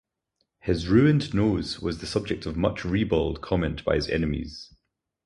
His ruined nose was the subject of much ribald comment by his enemies.